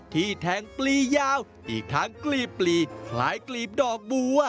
ที่แทงปลียาวอีกทั้งกลีบปลีคล้ายกลีบดอกบัว